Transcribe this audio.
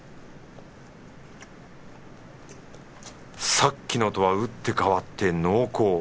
さっきのとは打って変わって濃厚。